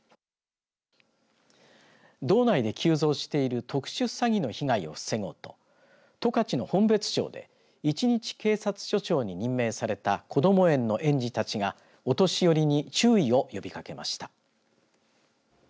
道内で急増している特殊詐欺の被害をふせごうと十勝の本別町で一日警察署長に任命されたこども園の園児たちがお年寄りに注意を呼びかけました。